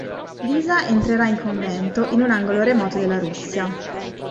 Liza entrerà in convento, in un angolo remoto della Russia.